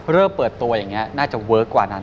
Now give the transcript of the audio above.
เริ่มเปิดตัวอย่างนี้น่าจะเวิร์คกว่านั้น